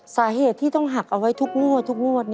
สาเหตุที่ต้องหักเอาไว้ทุกหมวด